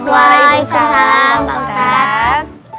waalaikumsalam pak ustaz